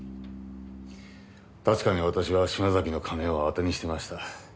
確かに私は島崎の金をあてにしてました。